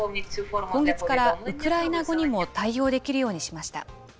今月から、ウクライナ語にも対応できるようにしました。